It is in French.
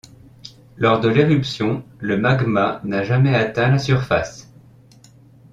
Lors de l'éruption, le magma n'a jamais atteint la surface.